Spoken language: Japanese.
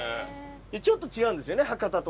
ちょっと違うんですよね博多とね。